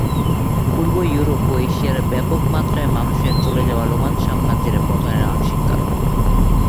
পূর্ব Europe ও এশিয়ায় ব্যাপক মাত্রায় মানুষের চলে যাওয়া রোমান সাম্রাজ্যের পতনের আংশিক কারণ।